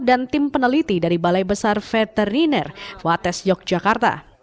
dan tim peneliti dari balai besar veteriner wates yogyakarta